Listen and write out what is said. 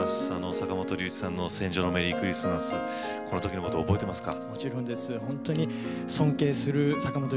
坂本龍一さんの「戦場のメリークリスマス」覚えていますか？